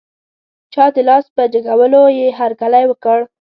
چا د لاس په جګولو یې هر کلی وکړ.